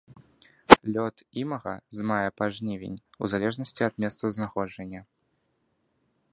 Лёт імага з мая па жнівень у залежнасці ад месцазнаходжання.